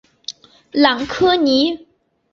朗科尼。